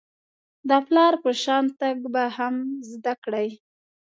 د پلار په شان تګ به هم زده کړئ .